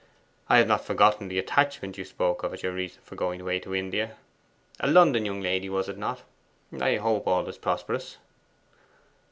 I have not forgotten the attachment you spoke of as your reason for going away to India. A London young lady, was it not? I hope all is prosperous?